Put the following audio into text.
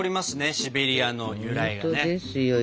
シベリアの由来がね。